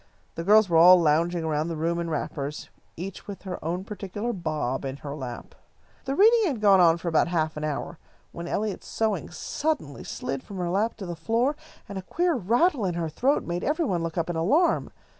The girls were all lounging around the room in wrappers, each with her own particular Bob in her lap. The reading had gone on for about half an hour, when Eliot's sewing suddenly slid from her lap to the floor, and a queer rattle in her throat made every one look up in alarm.